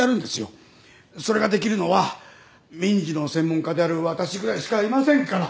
それができるのは民事の専門家である私ぐらいしかいませんから。